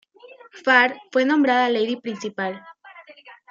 Farr fue nombrada Lady Principal.